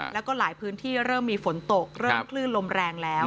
แล้วก็หลายพื้นที่เริ่มมีฝนตกเริ่มคลื่นลมแรงแล้ว